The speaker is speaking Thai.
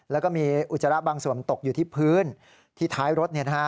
แล้วก็มีอุจจาระบางส่วนตกอยู่ที่พื้นที่ท้ายรถ